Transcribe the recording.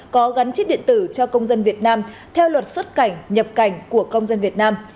có gắn chip điện tử cho công dân việt nam theo luật xuất cảnh nhập cảnh của công dân việt nam